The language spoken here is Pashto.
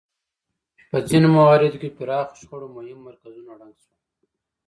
په ځینو مواردو کې پراخو شخړو مهم مرکزونه ړنګ شول.